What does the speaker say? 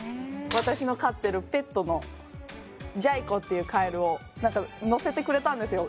私の飼ってるペットのジャイ子っていうカエルをのせてくれたんですよ